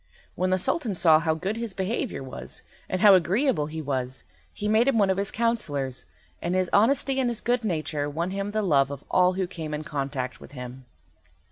When the Sultan saw how good his behaviour was, and how agreeable he was, he made him one of his counsellors, and his honesty and his good nature won him the love of all who came in contact with him.